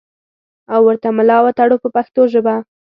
او ورته ملا وتړو په پښتو ژبه.